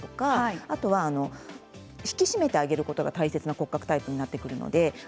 あとは引き締めてあげることが大切な骨格タイプになります。